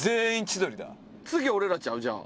次俺らちゃう？じゃあ。